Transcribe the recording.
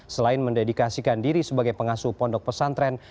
selain mendedikasikan diri sebagai pengasuh pondok pesantren